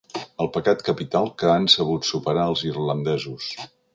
El pecat capital que han sabut superar els irlandesos.